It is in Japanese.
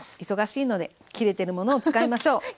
忙しいので切れてるものを使いましょう！